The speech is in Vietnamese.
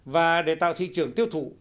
và để tạo thị trường tiêu thụ